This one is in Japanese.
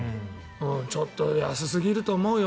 ちょっと安すぎると思うよ。